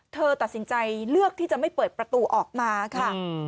เธอตัดสินใจเลือกที่จะไม่เปิดประตูออกมาค่ะ